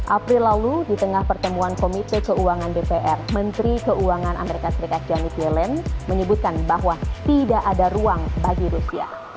april lalu di tengah pertemuan komite keuangan dpr menteri keuangan amerika serikat johnny yellen menyebutkan bahwa tidak ada ruang bagi rusia